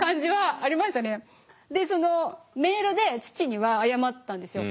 でメールで父には謝ったんですよ。